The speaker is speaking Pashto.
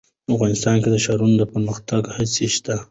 افغانستان کې د ښارونو د پرمختګ هڅې شته.